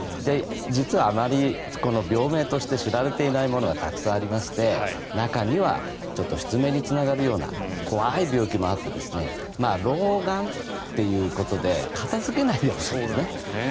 実はあまり病名として知られていないものがたくさんありまして、中にはちょっと失明につながるような怖い病気もあって老眼ということで片付けないことですね。